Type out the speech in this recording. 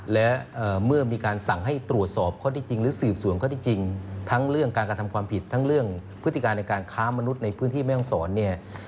และเมื่อมีการสั่งให้ตรวจสอบข้อที่จริงหรือสืบสวนข้อที่จริงทั้งเรื่องการกระทำความผิดทั้งเรื่องพฤติการในการค้ามนุษย์ในพื้นที่แม่ห้องศรเนี่ย